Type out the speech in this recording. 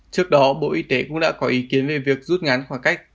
trước đó bộ y tế cũng đã có ý kiến về việc rút ngắn khoảng cách